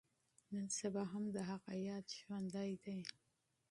نن سبا هم د هغه ياد ژوندی دی.